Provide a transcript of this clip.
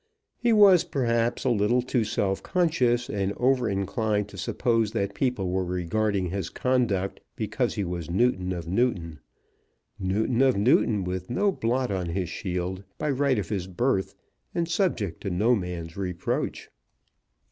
He was, perhaps, a little too self conscious, and over inclined to suppose that people were regarding his conduct because he was Newton of Newton; Newton of Newton with no blot on his shield, by right of his birth, and subject to no man's reproach.